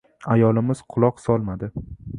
Ayolimiz quloq solmadi.